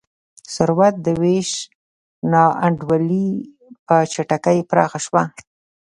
ثروت د وېش نا انډولي په چټکۍ پراخه شوه.